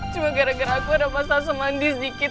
cuma gara gara aku ada masalah sama andi sedikit